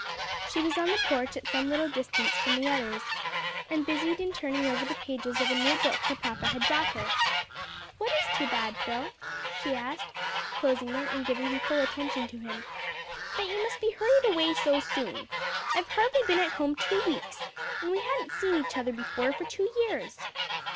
She was on the porch at some little distance from the others, and busied in turning over the pages of a new book her papa had brought her. "What is too bad, Phil?" she asked, closing it, and giving her full attention to him. "That you must be hurried away so soon. I've hardly been at home two weeks, and we hadn't seen each other before for two years."